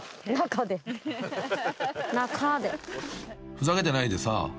［ふざけてないでさぁ］